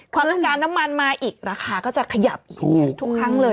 ต้องการน้ำมันมาอีกราคาก็จะขยับอีกทุกครั้งเลย